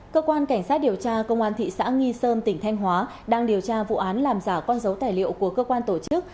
cơ quan cảnh sát điều tra công an thị xã nghi sơn tỉnh thanh hóa đang điều tra vụ án làm giả con dấu tài liệu của cơ quan tổ chức